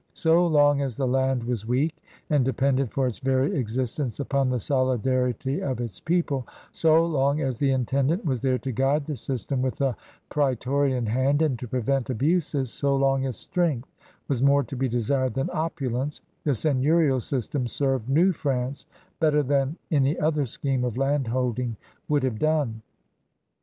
So long as the land was weak and depended for its very existence upon the solidarity of its people, so long as the intendant was there to guide the system with a praetorian hand and to prevent abuses, so long as strength was more to be desired than opulence, the seigneurial system served New France better than any other scheme of landholding would have done.